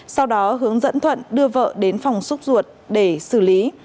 sau đó hướng dẫn thuận đưa vợ đến phòng xúc ruột để xử lý